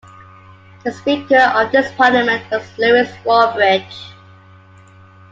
The Speaker of this parliament was Lewis Wallbridge.